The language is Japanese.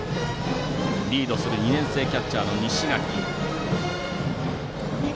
リードする２年生キャッチャーの西垣。